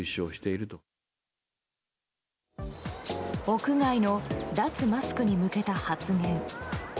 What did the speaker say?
屋外の脱マスクに向けた発言。